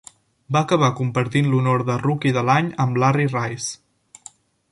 Va acabar compartint l'honor de "Rookie de l'any" amb Larry Rice.